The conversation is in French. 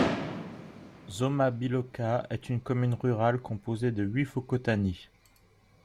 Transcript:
Zoma-bealoka est une commune rurale composée de huit Fokotany.